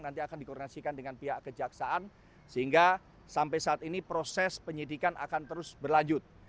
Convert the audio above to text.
nanti akan dikoordinasikan dengan pihak kejaksaan sehingga sampai saat ini proses penyidikan akan terus berlanjut